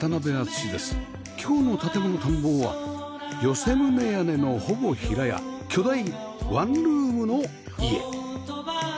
今日の『建もの探訪』は寄棟屋根のほぼ平屋巨大ワンルームの家